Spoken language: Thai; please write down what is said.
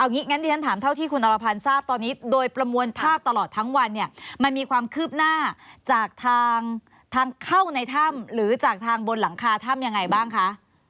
งั้นที่ฉันถามเท่าที่คุณอรพันธ์ทราบตอนนี้โดยประมวลภาพตลอดทั้งวันเนี่ยมันมีความคืบหน้าจากทางเข้าในถ้ำหรือจากทางบนหลังคาถ้ำยังไงบ้างคะ